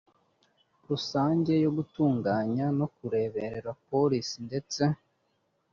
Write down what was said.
rusange yo gutunganya no kureberera polisi ndetse